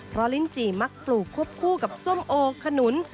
เพราะลิ้นจี่มักปลูกควบคู่กับส้มโอขนุน